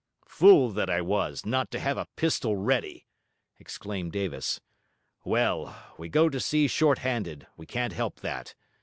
'Fool that I was, not to have a pistol ready!' exclaimed Davis. 'Well, we go to sea short handed, we can't help that.